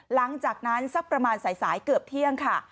หลังจากนั้นสักประมาณสายเกือบเที่ยงค่ะ